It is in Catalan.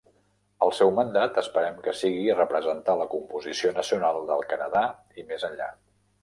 El seu mandat esperem que sigui representar la composició nacional del Canadà i més enllà.